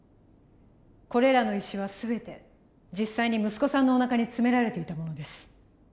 これらの石は全て実際に息子さんのおなかに詰められていたものです。